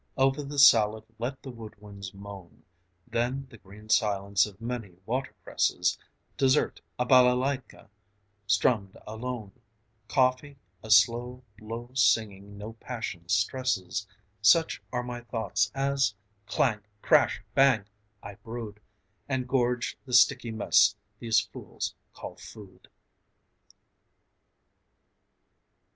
Over the salad let the woodwinds moan; Then the green silence of many watercresses; Dessert, a balalaika, strummed alone; Coffee, a slow, low singing no passion stresses; Such are my thoughts as clang! crash! bang! I brood And gorge the sticky mess these fools call food!